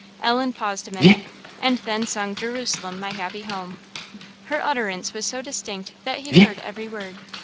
Ellen paused a minute, and then sung "Jerusalem my happy home." Her utterance was so distinct that he heard every word.